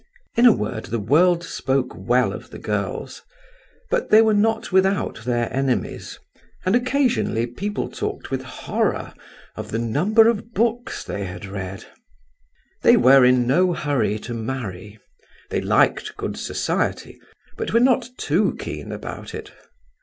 In a word, the world spoke well of the girls; but they were not without their enemies, and occasionally people talked with horror of the number of books they had read. They were in no hurry to marry. They liked good society, but were not too keen about it.